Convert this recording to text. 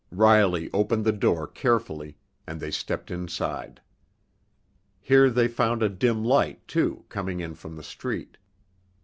Riley opened the door carefully, and they stepped inside. Here they found a dim light, too, coming in from the street.